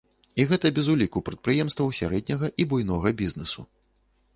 І гэта без уліку прадпрыемстваў сярэдняга і буйнога бізнэсу.